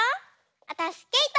わたしケイト！